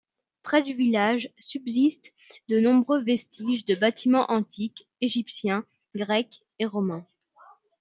Près du village subsistent de nombreux vestiges de bâtiments antiques, égyptiens, grecs et romains.